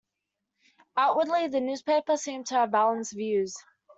Outwardly, the newspaper seemed to have balanced views.